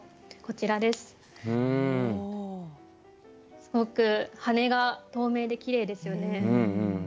すごく翅が透明できれいですよね。